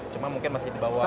cuma mungkin masih di bawah